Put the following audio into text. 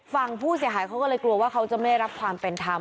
ฝั่งผู้เสียหายเขาก็เลยกลัวว่าเขาจะไม่ได้รับความเป็นธรรม